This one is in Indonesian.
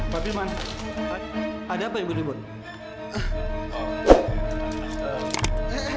pak firman ada apa yang benar benar bodoh